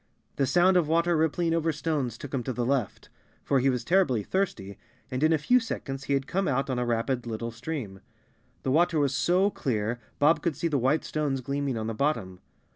The sound of water rippling over stones took him to the left, for he was terribly thirsty and in a few seconds he had come out on a rapid little stream. The water was so clear Bob could see the white stones gleaming on the bottom.